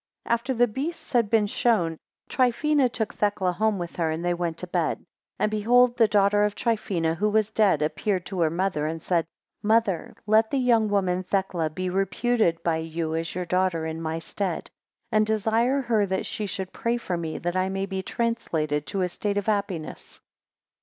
5 After the beasts had been shown, Trifina took Thecla home with her, and they went to bed; and behold, the daughter of Trifina, who was dead, appeared to her mother, and said; Mother, let the young woman, Thecla, be reputed by you as your daughter in my stead; and desire her that she should pray for me, that I may be translated to a state of happiness.